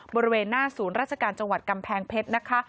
บริเวณหน้าศูนย์ราชการจังหวัดกำแพงเพชรนะคะ